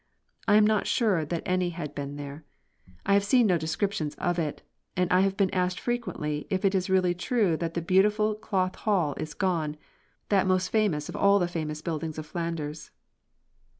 I am not sure that any had been there. I have seen no description of it, and I have been asked frequently if it is really true that the beautiful Cloth Hall is gone that most famous of all the famous buildings of Flanders.